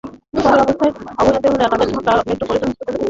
পরে অবস্থার অবনতি হলে তাঁদের ঢাকা মেট্রোপলিটন হাসপাতালে ভর্তি করা হয়।